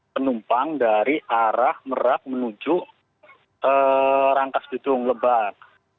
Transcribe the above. penumpang dari arah merak menuju rangkas bitung lebak